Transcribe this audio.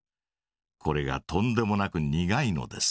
これがとんでもなく苦いのです。